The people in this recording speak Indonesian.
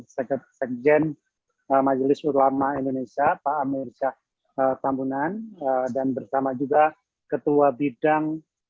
sekat sekjen majelis urlama indonesia pak amir shah kampunan dan bersama juga ketua bidang